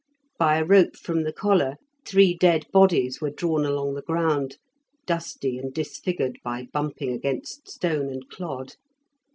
By a rope from the collar, three dead bodies were drawn along the ground, dusty and disfigured by bumping against stone and clod.